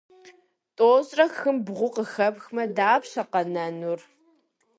Тӏощӏрэ хым бгъу къыхэпхмэ, дапщэ къэнэнур?